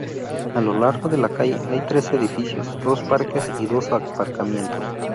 A lo largo de la calle hay tres edificios, dos parques y dos aparcamientos.